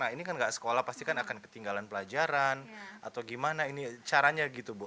ini kan gak sekolah pasti kan akan ketinggalan pelajaran atau gimana ini caranya gitu bu